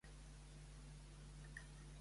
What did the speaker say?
Què ha admès Sánchez?